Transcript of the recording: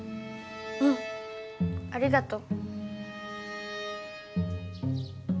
うんありがとう。